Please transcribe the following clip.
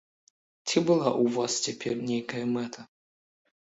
Ці была ў вас цяпер нейкая мэта?